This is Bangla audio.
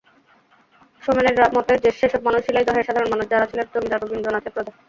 সোমেনের মতে, সেসব মানুষ শিলাইদহের সাধারণ মানুষ, যাঁরা ছিলেন জমিদার রবীন্দ্রনাথের প্রজা।